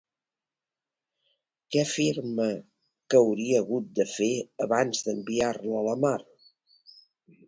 Què afirma que hauria hagut de fer abans d'enviar-la a la mar?